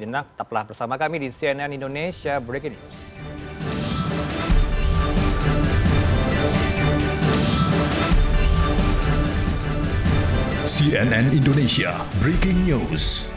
jenak tetaplah bersama kami di cnn indonesia breaking news